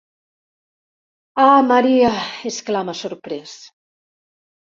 Ah Maria!, exclama sorprès.